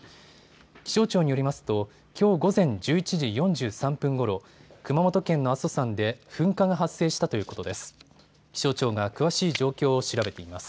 気象庁によりますときょう午前１１時４３分ごろ、熊本県の阿蘇山で噴火が発生したということです。